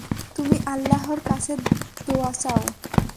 তুমি আল্লাহর কাছে দোয়া চাও।